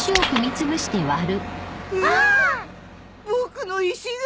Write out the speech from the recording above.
僕の石が！